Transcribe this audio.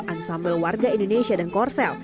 ansambel warga indonesia dan korsel